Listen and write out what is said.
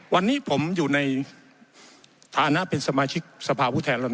วันนี้ผมอยู่ในฐานะเป็นสมาชิกสภาพุทธแทนรด